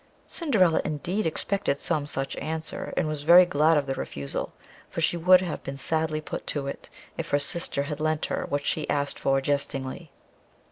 Cinderilla, indeed, expected some such answer, and was very glad of the refusal; for she would have been sadly put to it, if her sister had lent her what she asked for jestingly.